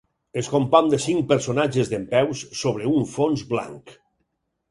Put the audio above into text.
Es compon de cinc personatges dempeus sobre un fons blanc.